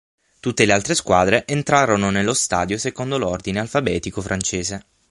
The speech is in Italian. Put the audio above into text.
Tutte le altre squadre entrarono nello stadio secondo l'ordine alfabetico francese.